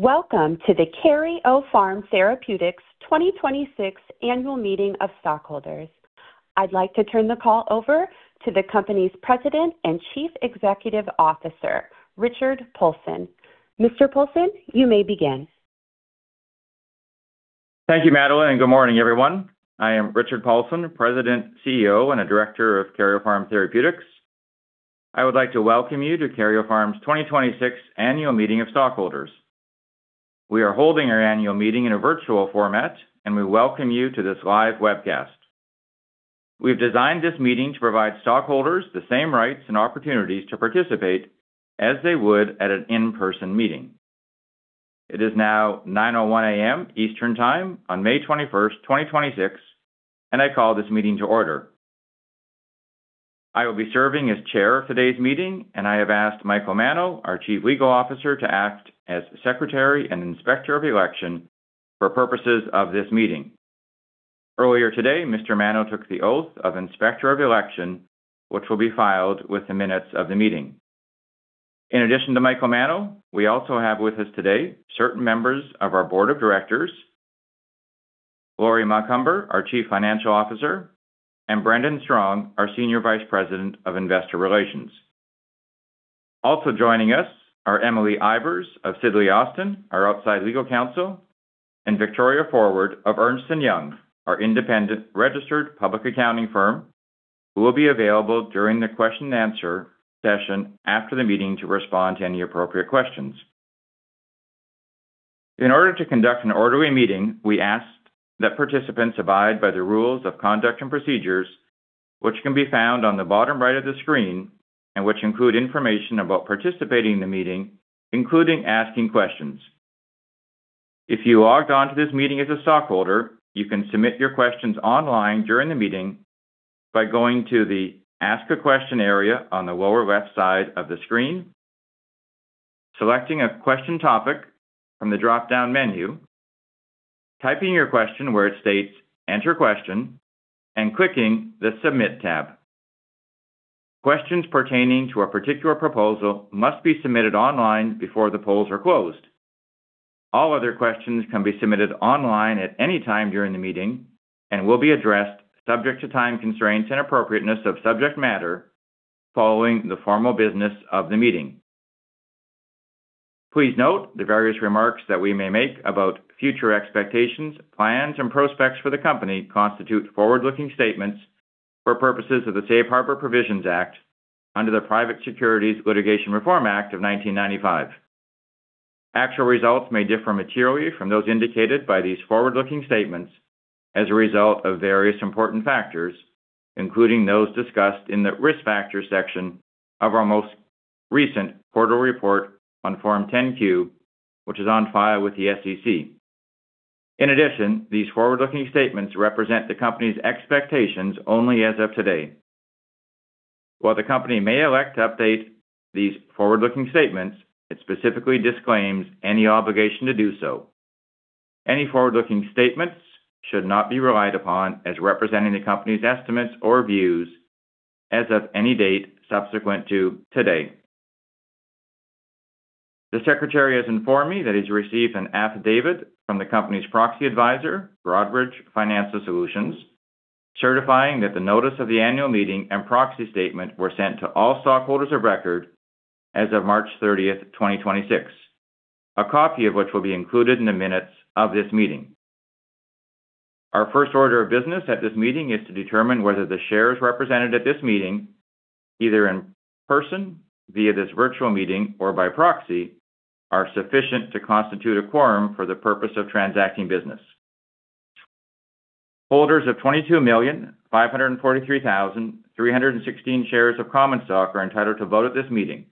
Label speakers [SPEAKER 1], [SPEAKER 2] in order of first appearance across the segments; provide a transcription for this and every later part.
[SPEAKER 1] Welcome to the Karyopharm Therapeutics 2026 Annual Meeting of Stockholders. I'd like to turn the call over to the company's President and Chief Executive Officer, Richard Paulson. Mr. Paulson, you may begin.
[SPEAKER 2] Thank you, Madeline, and good morning, everyone. I am Richard Paulson, President, CEO, and a Director of Karyopharm Therapeutics. I would like to welcome you to Karyopharm's 2026 Annual Meeting of Stockholders. We are holding our annual meeting in a virtual format, and we welcome you to this live webcast. We've designed this meeting to provide stockholders the same rights and opportunities to participate as they would at an in-person meeting. It is now 9:01 A.M. Eastern Time on May 21st, 2026, and I call this meeting to order. I will be serving as chair of today's meeting, and I have asked Mike Mano, our Chief Legal Officer, to act as secretary and inspector of election for purposes of this meeting. Earlier today, Mr. Mano took the oath of inspector of election, which will be filed with the minutes of the meeting. In addition to Mike Mano, we also have with us today certain members of our board of directors, Lori Macomber, our Chief Financial Officer, and Brendan Strong, our Senior Vice President of Investor Relations. Joining us are Emily Ivers of Sidley Austin, our outside legal counsel, and Victoria Forward of Ernst & Young, our independent registered public accounting firm, who will be available during the question and answer session after the meeting to respond to any appropriate questions. In order to conduct an orderly meeting, we ask that participants abide by the rules of conduct and procedures, which can be found on the bottom right of the screen and which include information about participating in the meeting, including asking questions. If you logged on to this meeting as a stockholder, you can submit your questions online during the meeting by going to the Ask a Question area on the lower left side of the screen, selecting a question topic from the dropdown menu, typing your question where it states "Enter question," and clicking the Submit tab. Questions pertaining to a particular proposal must be submitted online before the polls are closed. All other questions can be submitted online at any time during the meeting and will be addressed subject to time constraints and appropriateness of subject matter following the formal business of the meeting. Please note the various remarks that we may make about future expectations, plans, and prospects for the company constitute forward-looking statements for purposes of the Safe Harbor Provisions Act under the Private Securities Litigation Reform Act of 1995. Actual results may differ materially from those indicated by these forward-looking statements as a result of various important factors, including those discussed in the risk factors section of our most recent quarterly report on Form 10-Q, which is on file with the SEC. In addition, these forward-looking statements represent the company's expectations only as of today. While the company may elect to update these forward-looking statements, it specifically disclaims any obligation to do so. Any forward-looking statements should not be relied upon as representing the company's estimates or views as of any date subsequent to today. The secretary has informed me that he's received an affidavit from the company's proxy advisor, Broadridge Financial Solutions, certifying that the notice of the annual meeting and proxy statement were sent to all stockholders of record as of March 30th, 2026, a copy of which will be included in the minutes of this meeting. Our first order of business at this meeting is to determine whether the shares represented at this meeting, either in person, via this virtual meeting, or by proxy, are sufficient to constitute a quorum for the purpose of transacting business. Holders of 22,543,316 shares of common stock are entitled to vote at this meeting.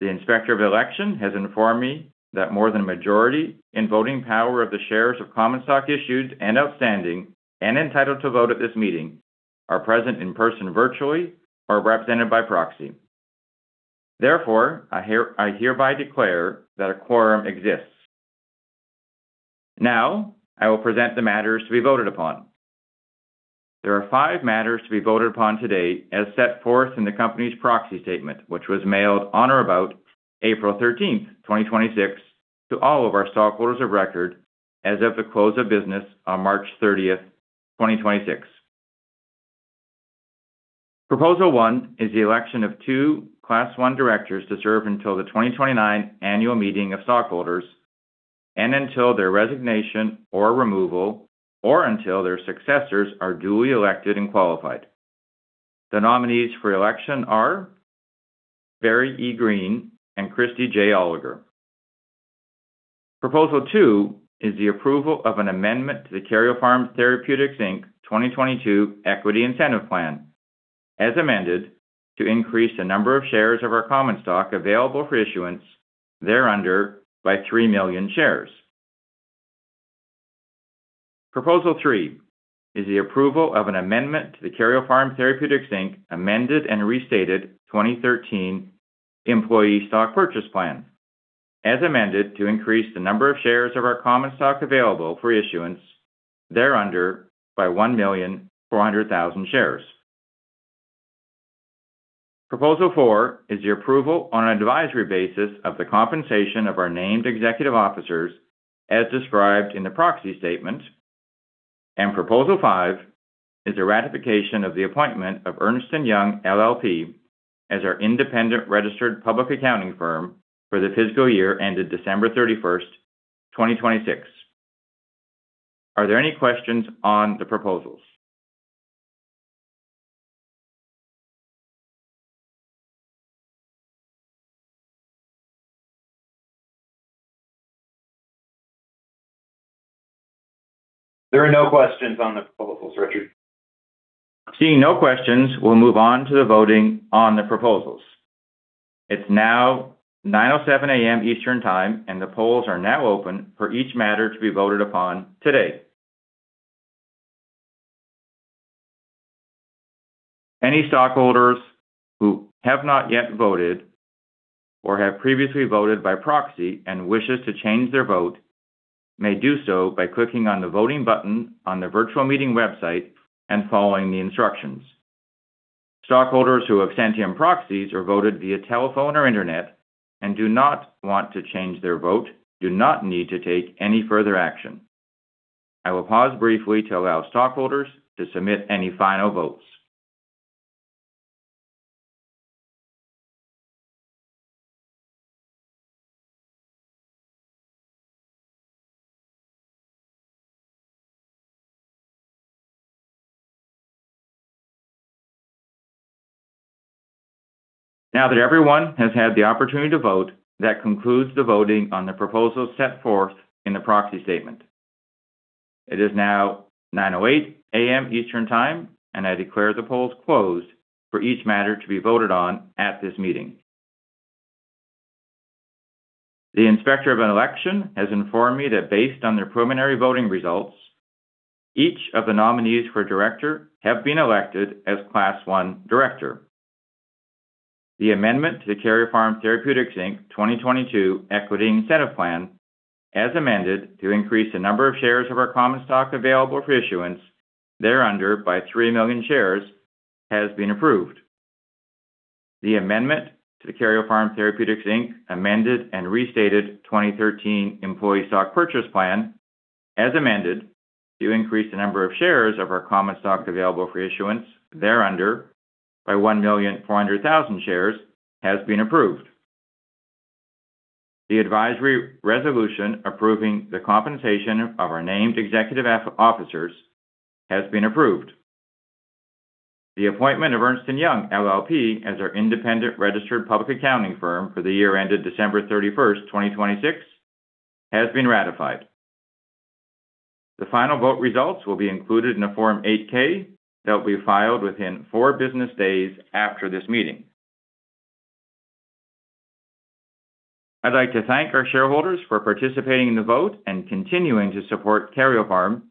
[SPEAKER 2] The inspector of election has informed me that more than a majority in voting power of the shares of common stock issued and outstanding and entitled to vote at this meeting are present in person, virtually, or represented by proxy. Therefore, I hereby declare that a quorum exists. Now, I will present the matters to be voted upon. There are five matters to be voted upon today as set forth in the company's proxy statement, which was mailed on or about April 13th, 2026, to all of our stockholders of record as of the close of business on March 30th, 2026. Proposal 1 is the election of two class 1 directors to serve until the 2029 annual meeting of stockholders and until their resignation or removal, or until their successors are duly elected and qualified. The nominees for election are Barry E. Greene and Christy J. Oliger. Proposal 2 is the approval of an amendment to the Karyopharm Therapeutics, Inc. 2022 Equity Incentive Plan, as amended, to increase the number of shares of our common stock available for issuance thereunder by three million shares. Proposal 3 is the approval of an amendment to the Karyopharm Therapeutics, Inc. Amended and restated 2013 Employee Stock Purchase Plan, as amended, to increase the number of shares of our common stock available for issuance thereunder by 1,400,000 shares. Proposal four is the approval on an advisory basis of the compensation of our named executive officers as described in the proxy statement. Proposal five is a ratification of the appointment of Ernst & Young LLP as our independent registered public accounting firm for the fiscal year ended December 31st, 2026. Are there any questions on the proposals?
[SPEAKER 3] There are no questions on the proposals, Richard.
[SPEAKER 2] Seeing no questions, we'll move on to the voting on the proposals. It's now 9:07 A.M. Eastern Time, and the polls are now open for each matter to be voted upon today. Any stockholders who have not yet voted or have previously voted by proxy and wishes to change their vote may do so by clicking on the voting button on the virtual meeting website and following the instructions. Stockholders who have sent in proxies or voted via telephone or internet and do not want to change their vote do not need to take any further action. I will pause briefly to allow stockholders to submit any final votes. Now that everyone has had the opportunity to vote, that concludes the voting on the proposals set forth in the proxy statement. It is now 9:08 A.M. Eastern Time, and I declare the polls closed for each matter to be voted on at this meeting. The inspector of an election has informed me that based on their preliminary voting results, each of the nominees for director have been elected as Class I Director. The amendment to the Karyopharm Therapeutics, Inc. 2022 Equity Incentive Plan, as amended to increase the number of shares of our common stock available for issuance thereunder by three million shares, has been approved. The amendment to the Karyopharm Therapeutics, Inc. amended and restated 2013 Employee Stock Purchase Plan, as amended to increase the number of shares of our common stock available for issuance thereunder by 1,400,000 shares, has been approved. The advisory resolution approving the compensation of our named executive officers has been approved. The appointment of Ernst & Young LLP as our independent registered public accounting firm for the year ended December 31st, 2026, has been ratified. The final vote results will be included in a Form 8-K that will be filed within four business days after this meeting. I'd like to thank our shareholders for participating in the vote and continuing to support Karyopharm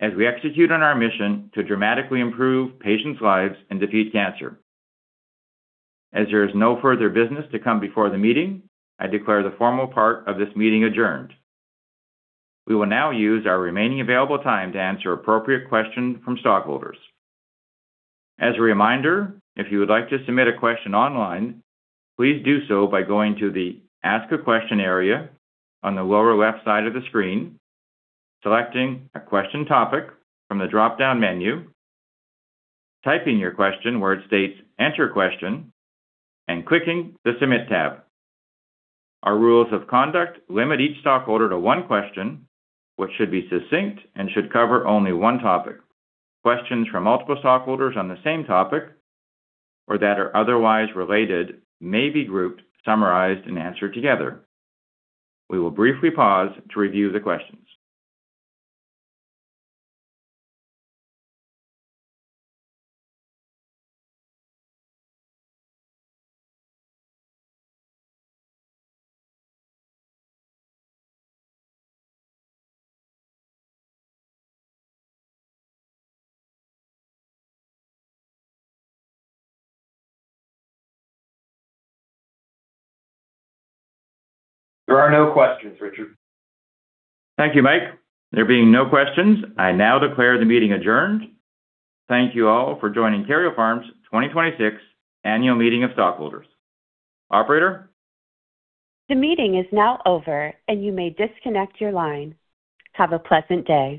[SPEAKER 2] as we execute on our mission to dramatically improve patients' lives and defeat cancer. As there is no further business to come before the meeting, I declare the formal part of this meeting adjourned. We will now use our remaining available time to answer appropriate questions from stockholders. As a reminder, if you would like to submit a question online, please do so by going to the Ask a Question area on the lower-left side of the screen, selecting a question topic from the drop-down menu, typing your question where it states, "Enter question," and clicking the Submit tab. Our rules of conduct limit each stockholder to one question, which should be succinct and should cover only one topic. Questions from multiple stockholders on the same topic or that are otherwise related may be grouped, summarized, and answered together. We will briefly pause to review the questions.
[SPEAKER 3] There are no questions, Richard.
[SPEAKER 2] Thank you, Mike. There being no questions, I now declare the meeting adjourned. Thank you all for joining Karyopharm's 2026 Annual Meeting of Stockholders. Operator?
[SPEAKER 1] The meeting is now over, and you may disconnect your line. Have a pleasant day.